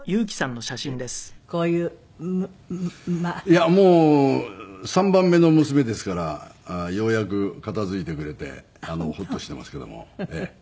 いやもう３番目の娘ですからようやく片付いてくれてホッとしてますけども。